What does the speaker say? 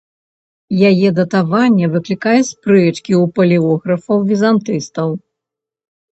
Яе датаванне выклікае спрэчкі ў палеографаў-візантыністаў.